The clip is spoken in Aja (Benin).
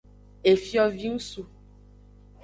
Efiovingsu.